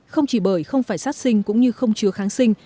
không chỉ bởi không phải sát sinh cũng như không chứa kháng sinh